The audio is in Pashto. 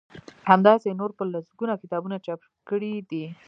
همداسی يې نور په لسګونه کتابونه چاپ کړي دي